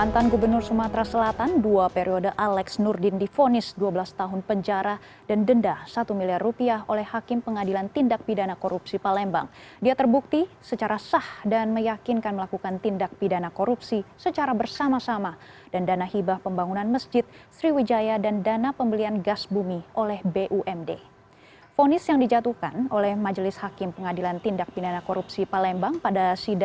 terima kasih anda masih bersama kami